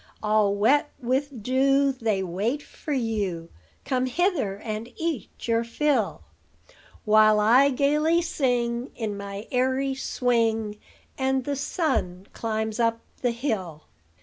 "All wet with dew, They wait for you: Come hither, and eat your fill, While I gayly sing, In my airy swing, And the sun climbs up the hill."